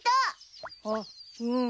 あっうん。